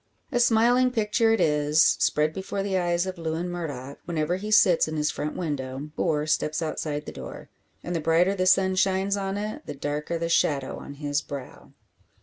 A smiling picture it is; spread before the eyes of Lewin Murdock, whenever he sits in his front window, or steps outside the door. And the brighter the sun shines on it, the darker the shadow on his brow!